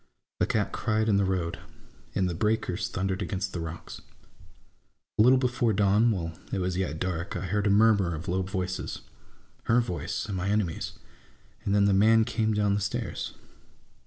A cat cried in the road, and the breakers thundered against the rocks. A little before dawn, while it was yet dark, I heard a murmur of lovv voices — her voice and my enemy's ; and then the man came down the stairs.